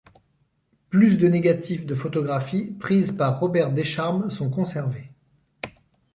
Plus de négatifs de photographies prises par Robert Descharmes sont conservés.